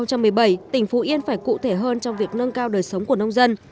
năm hai nghìn một mươi bảy tỉnh phú yên phải cụ thể hơn trong việc nâng cao đời sống của nông dân